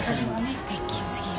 すてきすぎる。